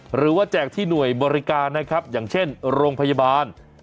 แจกที่หน่วยบริการนะครับอย่างเช่นโรงพยาบาล